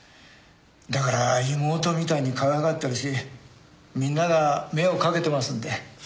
だから妹みたいにかわいがってるしみんなが目をかけてますんで。